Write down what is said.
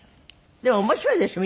でも面白いでしょ？